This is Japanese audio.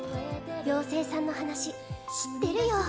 ようせいさんの話知ってるよ